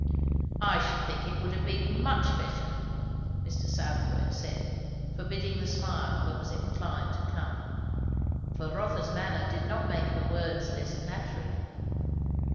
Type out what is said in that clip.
"I should think it would have been much better," Mr. Southwode said, forbidding the smile that was inclined to come. For Rotha's manner did not make her words less flattering.